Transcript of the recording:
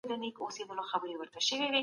معروف د کفايت پرته بل څه نسي کېدلای.